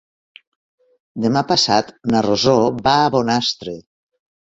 Demà passat na Rosó va a Bonastre.